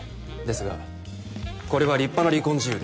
ですがこれは立派な離婚事由です。